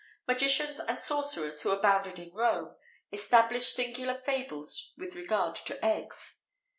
[XVIII 68] Magicians and sorcerers, who abounded in Rome, established singular fables with regard to eggs.